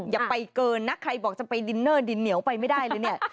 อย่าไปเกินนะใครบอกจะไปดินเนอร์ดินเหนียวไปไม่ได้เลยเนี่ย